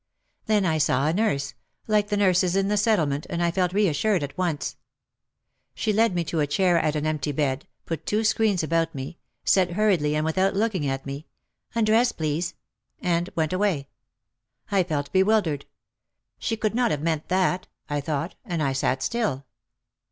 Then I saw a nurse, like the nurses in the Settlement, and I felt reassured at once. She led me to a chair at an empty bed, put two screens about me, said hurriedly and without looking at me, "Undress, please," and went away. I felt bewildered. "She could not have meant that," I thought and I sat still.